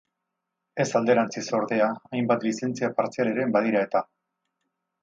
Ez alderantziz ordea, hainbat lizentzia partzial ere badira eta.